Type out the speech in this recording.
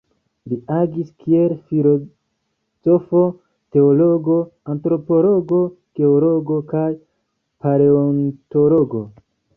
Li agis kiel filozofo, teologo, antropologo, geologo kaj paleontologo.